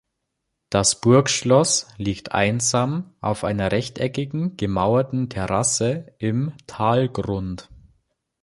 Das Burgschloss liegt einsam auf einer rechteckigen, gemauerten Terrasse im Talgrund.